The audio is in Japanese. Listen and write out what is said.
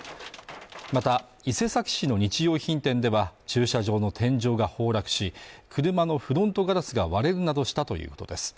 また伊勢崎市の日用品店では駐車場の天井が崩落し車のフロントガラスが割れるなどしたということです